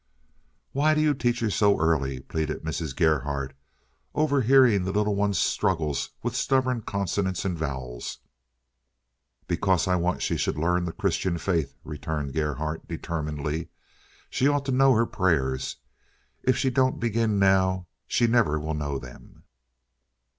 "Why do you teach her so early?" pleaded Mrs. Gerhardt, overhearing the little one's struggles with stubborn consonants and vowels. "Because I want she should learn the Christian faith," returned Gerhardt determinedly. "She ought to know her prayers. If she don't begin now she never will know them."